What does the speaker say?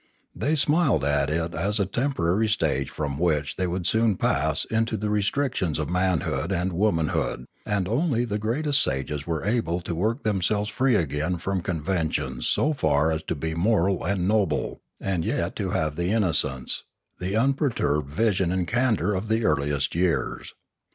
They smiled at it as a temporary stage from which they would soon pass into the restrictions of manhood and womanhood ; and only the greatest sages were able to work themselves free again from conventions so far as to be moral and noble and yet to have the innocence, the unperturbed vision and candour of the earliest years.